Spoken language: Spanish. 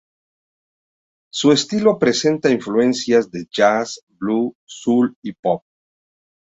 Su estilo presenta influencias de jazz, blues, soul y pop.